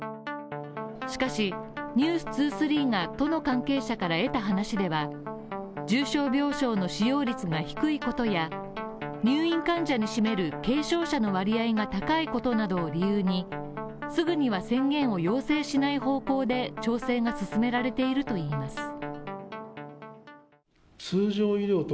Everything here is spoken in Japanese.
しかし、「ｎｅｗｓ２３」が都の関係者から得た話では、重症病床の使用率が低いことや、入院患者に占める軽症者の割合が高いことなどを理由にすぐには宣言を要請しない方向で調整が進められているといいます。